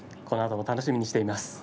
このあとも楽しみにしてます。